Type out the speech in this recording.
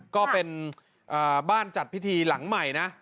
ก็เป็นบ้านจัดพิธีหลังใหม่นะ